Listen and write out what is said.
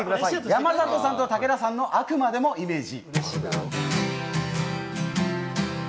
山里さんと武田さんの、あくまでもイメージ。